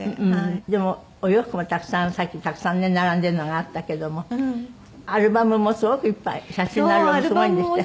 でもお洋服もたくさんさっきたくさんね並んでるのがあったけどもアルバムもすごくいっぱい写真のアルバムもすごいんですって？